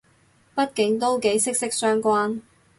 畢竟都幾息息相關